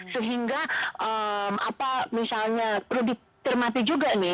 sehingga apa misalnya perlu dicermati juga nih